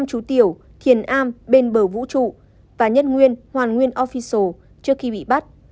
năm chú tiểu thiền am bên bờ vũ trụ và nhất nguyên hoàn nguyên official trước khi bị bắt